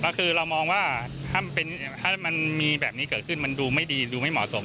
ก็คือเรามองว่าถ้ามันมีแบบนี้เกิดขึ้นมันดูไม่ดีดูไม่เหมาะสม